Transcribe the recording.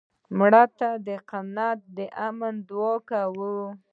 مړه ته د قیامت د امن دعا کوو